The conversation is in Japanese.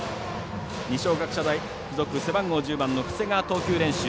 二松学舎大付属、背番号１０番の布施が投球練習。